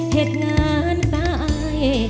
เหตุงานใจ